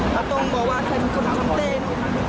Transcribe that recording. แต่ต้องบอกว่าใครช่วยทำเต้น